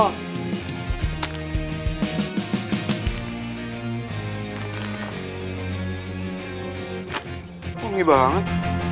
wah mie banget